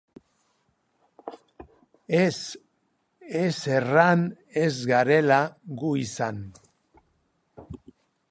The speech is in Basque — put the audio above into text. Ez, ez erran ez garela gu izan.